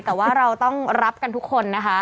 แต่ว่าเราต้องรับกันทุกคนนะคะ